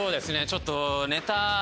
ちょっと。